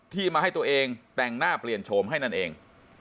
ที่มาให้ตัวเองแต่งหน้าเปลี่ยนโฉมให้นั่นเอง